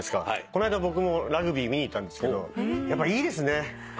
この間僕もラグビー見に行ったんですけどやっぱいいですね。